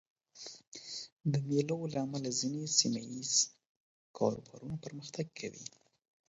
د مېلو له امله ځيني سیمه ییز کاروبارونه پرمختګ کوي.